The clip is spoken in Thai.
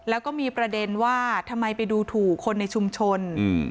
แล้วก็มีประเด็นว่าทำไมไปดูถูกคนในชุมชนอืม